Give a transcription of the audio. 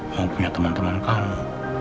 kau punya temen temen kamu